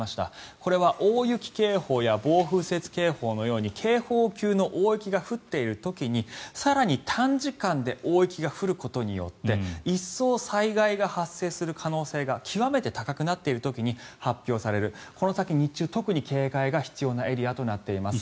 これは大雪警報や暴風雪警報のように警報級の大雪が降っている時に更に短時間で大雪が降ることによって一層、災害が発生する可能性が極めて高くなっている時に発表されるこの先、日中特に警戒が必要なエリアとなっています。